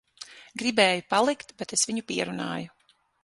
Gribēja palikt, bet es viņu pierunāju.